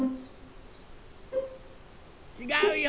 ・ちがうよ。